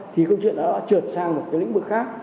thì câu chuyện đó đã trượt sang một cái lĩnh vực khác